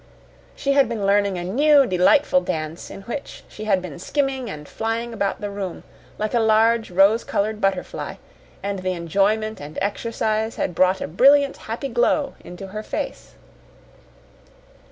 She had been learning a new, delightful dance in which she had been skimming and flying about the room, like a large rose colored butterfly, and the enjoyment and exercise had brought a brilliant, happy glow into her face.